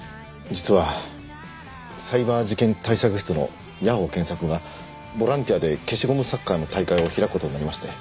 実はサイバー事件対策室の谷保健作がボランティアで消しゴムサッカーの大会を開く事になりまして。